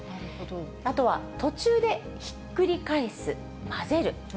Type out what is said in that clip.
あとは途中でひっくり返す、混ぜる。